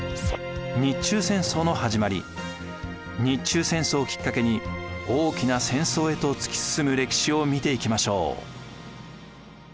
日中戦争をきっかけに大きな戦争へと突き進む歴史を見ていきましょう。